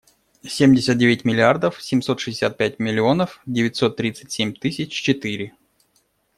Семьдесят девять миллиардов семьсот шестьдесят пять миллионов девятьсот тридцать семь тысяч четыре.